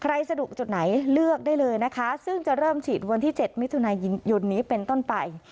สะดุจุดไหนเลือกได้เลยนะคะซึ่งจะเริ่มฉีดวันที่๗มิถุนายนนี้เป็นต้นไป